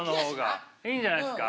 いいんじゃないですか。